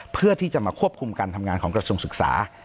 เพื่อที่จะมาควบคุมการทำงานของกระทรวงศึกษา